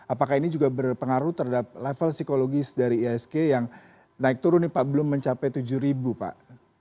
apakah ini juga berpengaruh terhadap level psikologis dari isg yang naik turun nih pak belum mencapai tujuh pak